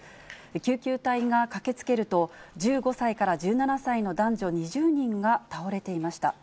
救急隊が駆けつけると、１５歳から１７歳の男女２０人が倒れていました。